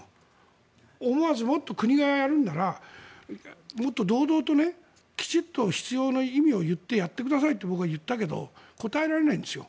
思わずもっと、国がやるんだったらもっと堂々と、きちんと必要の意味を言ってやってくださいって僕は言ったけど答えられないんです。